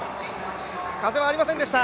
風はありませんでした。